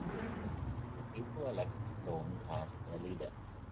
The people elect Lorne as their leader.